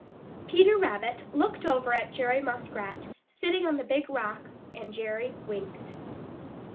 Peter Rabbit looked over at Jerry Muskrat sitting on the Big Rock, and Jerry winked.